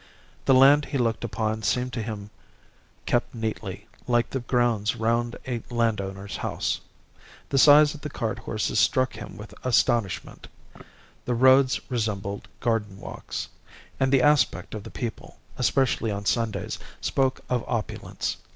The land he looked upon seemed to him kept neatly, like the grounds round a landowner's house; the size of the cart horses struck him with astonishment; the roads resembled garden walks, and the aspect of the people, especially on Sundays, spoke of opulence.